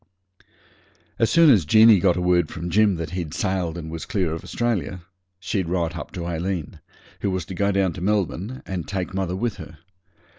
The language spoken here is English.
As soon as Jeanie got a word from Jim that he'd sailed and was clear of Australia, she'd write up to Aileen, who was to go down to Melbourne, and take mother with her.